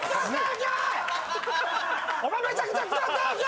お前めちゃくちゃ使ったやん！